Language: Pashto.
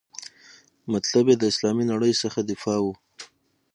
مطلب یې د اسلامي نړۍ څخه دفاع وه.